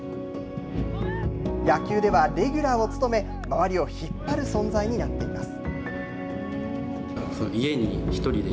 野球ではレギュラーを務め周りを引っ張る存在になっています。